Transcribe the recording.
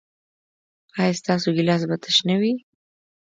ایا ستاسو ګیلاس به تش نه وي؟